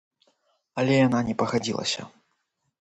Але яна не пагадзілася.